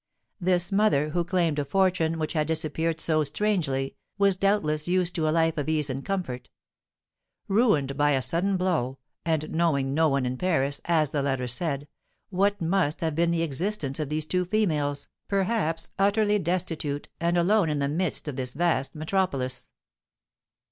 This mother, who claimed a fortune which had disappeared so strangely, was, doubtless, used to a life of ease and comfort. Ruined by a sudden blow, and knowing no one in Paris, as the letter said, what must have been the existence of these two females, perhaps utterly destitute and alone in the midst of this vast metropolis!